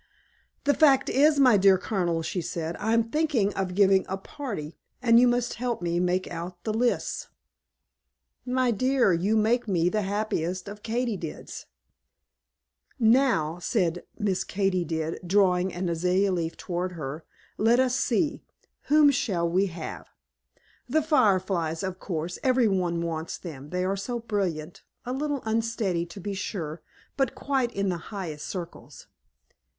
"The fact is, my dear Colonel," she said, "I am thinking of giving a party, and you must help me make out the lists." "My dear, you make me the happiest of Katy dids." "Now," said Miss Katy did, drawing an azalea leaf towards her, "let us see, whom shall we have? The Fireflies, of course; everybody wants them, they are so brilliant; a little unsteady, to be sure, but quite in the higher circles."